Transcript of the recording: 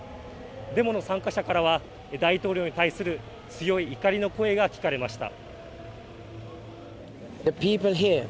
デモの参加者からは大統領に対する強い怒りの声が聞かれました。